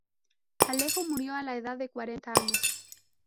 Alejo murió a la edad de cuarenta años.